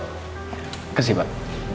terima kasih pak